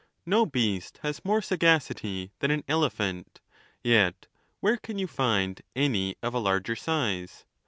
No beast has more sagacity than an elephant ; yet where can you find any of a larger size